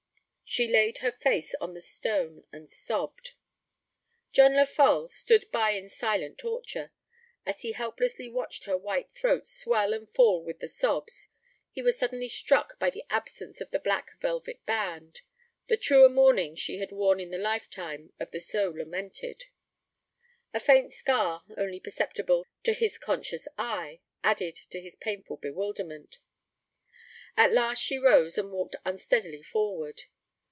She laid her face on the stone and sobbed. John Lefolle stood by in silent torture. As he helplessly watched her white throat swell and fall with the sobs, he was suddenly struck by the absence of the black velvet band the truer mourning she had worn in the lifetime of the so lamented. A faint scar, only perceptible to his conscious eye, added to his painful bewilderment. At last she rose and walked unsteadily forward.